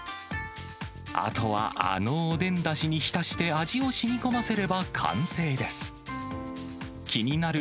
あとは、あのおでんだしに浸して味をしみこませれば完成です。